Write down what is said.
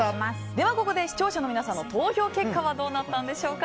ではここで視聴者の皆さんの投票結果はどうなったんでしょうか。